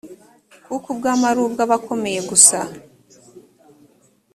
kuko ubwami ari ubwa abakomeye gusa